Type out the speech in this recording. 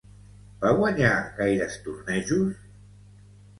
Va guanyar gaires tornejos?